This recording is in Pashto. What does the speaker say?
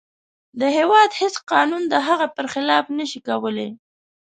د هیواد هیڅ قانون د هغه پر خلاف نشي کولی.